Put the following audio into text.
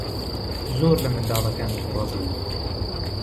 زۆر لە منداڵەکان تووڕە بوو.